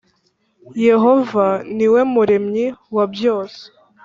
Yehova niwe muremyi wabyose.